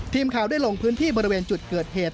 ทีมข่าวได้ลงพื้นที่บริเวณจุดเกิดเหตุ